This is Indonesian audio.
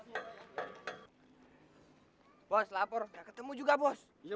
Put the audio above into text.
ya bos dapur ketemu juga bos bos